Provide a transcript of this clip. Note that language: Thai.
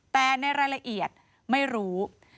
แต่ในรายละเอียดไม่รู้